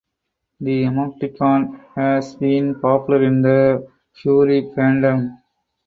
The emoticon has been popular in the furry fandom.